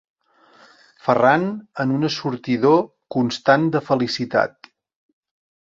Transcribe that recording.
Ferran en un assortidor constant de felicitat.